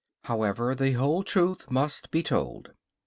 However, the whole truth must be told.